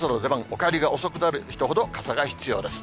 お帰りが遅くなる人ほど、傘が必要です。